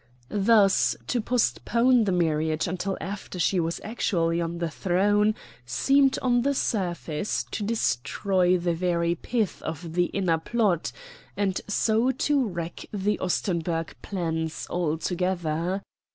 Thus to postpone the marriage until after she was actually on the throne seemed on the surface to destroy the very pith of the inner plot, and so to wreck the Ostenburg plans altogether.